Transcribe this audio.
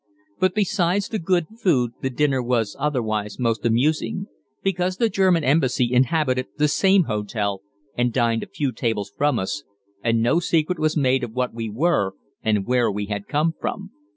But besides the good food the dinner was otherwise most amusing, because the German Embassy inhabited the same hotel and dined a few tables from us, and no secret was made of what we were and where we had come from.